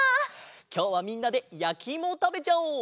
きょうはみんなでやきいもをたべちゃおう！